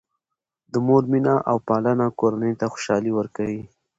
د مور مینه او پالنه کورنۍ ته خوشحالي ورکوي.